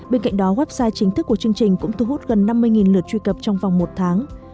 bên cạnh đó website chính thức của chương trình cũng thu hút gần năm mươi lượt truy cập trong vòng một tháng